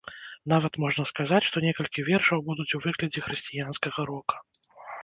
Нават можна сказаць, што некалькі вершаў будуць у выглядзе хрысціянскага рока.